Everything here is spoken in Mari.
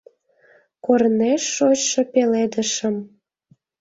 Корнеш шочшо пеледышым